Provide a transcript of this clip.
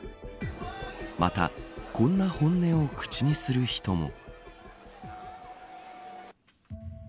またこんな本音を口にする人も。